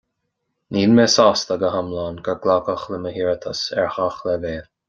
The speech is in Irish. Níl mé sásta go hiomlán gur glacadh le mo h-iarratas ar ghach leibhéal